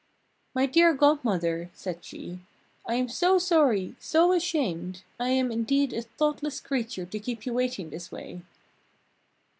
"My dear Godmother," said she, "I am so sorry! so ashamed! I am indeed a thoughtless creature to keep you waiting this way!"